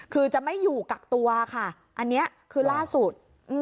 คือจะไม่อยู่กักตัวค่ะอันนี้คือล่าสุด